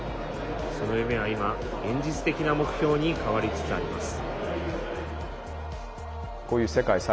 その夢は今、現実的な目標に変わりつつあります。